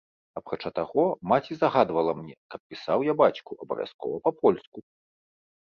Апрача таго, маці загадвала мне, каб пісаў я бацьку абавязкова па-польску.